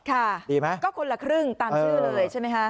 ดีไหมก็คนละครึ่งตามชื่อเลยใช่ไหมคะ